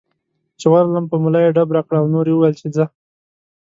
چې ورغلم په ملا یې ډب راکړ او نور یې وویل چې ځه.